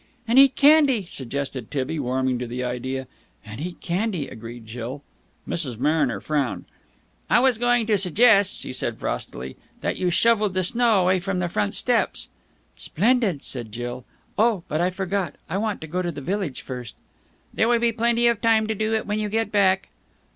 "And eat candy," suggested Tibby, warming to the idea. "And eat candy," agreed Jill. Mrs. Mariner frowned. "I was going to suggest," she said frostily, "that you shovelled the snow away from the front steps!" "Splendid!" said Jill. "Oh, but I forgot. I want to go to the village first." "There will be plenty of time to do it when you get back."